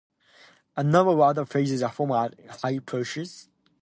A number of other phases are formed at high pressures.